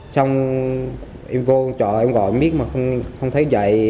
xong em vô trọ em gọi em biết mà không thấy dạy